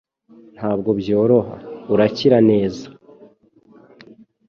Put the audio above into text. Ntabwo byoroha. Urakira neza. ”